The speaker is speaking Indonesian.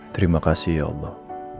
terima kasih o'bab